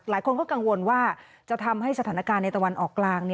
หลายคนก็กังวลว่าจะทำให้สถานการณ์ในตะวันออกกลาง